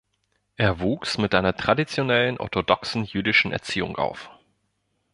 Er wuchs mit einer traditionellen orthodoxen jüdischen Erziehung auf.